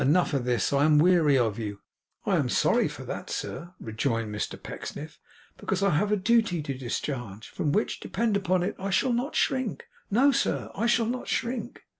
'Enough of this. I am weary of you.' 'I am sorry for that, sir,' rejoined Mr Pecksniff, 'because I have a duty to discharge, from which, depend upon it, I shall not shrink. No, sir, I shall not shrink.